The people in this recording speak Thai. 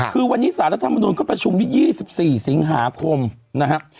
คือวันนี้สารธรรมดุลก็ประชุมวิทยา๒๔สิงหาคมนะครับ